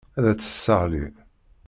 Ad tt-tesseɣli.